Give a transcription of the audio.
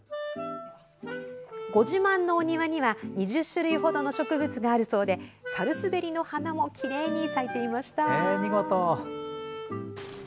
ご自慢のお庭には２０種類ほどの植物があるそうでさるすべりの花もきれいに咲いていました。